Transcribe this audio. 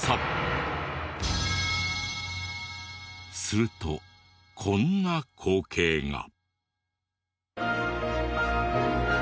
するとこんな光景が。